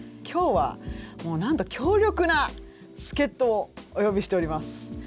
今日はなんと強力な助っとをお呼びしております。